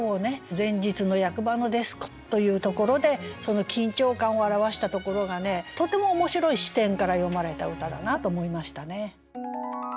「前日の役場のデスク」というところでその緊張感を表したところがとても面白い視点から詠まれた歌だなと思いましたね。